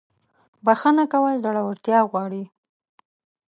• بخښنه کول زړورتیا غواړي.